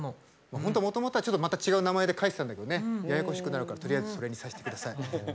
本当もともとはちょっとまた違う名前で書いてたんだけどねややこしくなるからとりあえずそれにさせてください。